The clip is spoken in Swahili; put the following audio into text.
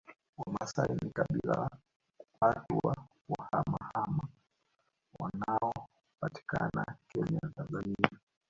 Wamasai ni kabila la watu wa kuhamahama wanaopatikana Kenya na Tanzania